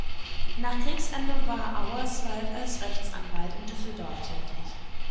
Nach Kriegsende war Auerswald als Rechtsanwalt in Düsseldorf tätig.